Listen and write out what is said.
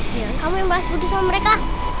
biarin kamu yang bahas putih sama mereka